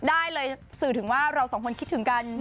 ได้เลยสื่อถึงว่าเราสองคนคิดถึงกัน